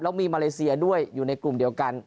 แล้วมีมาเลเซียด้วยอยู่ในกลุ่มเดียวกัน